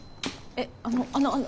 えっあのあのあの。